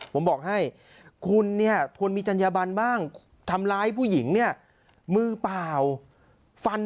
ผมบอกให้คุณทนมีจัญญาบันบ้างทำร้ายผู้หญิงมือเปล่า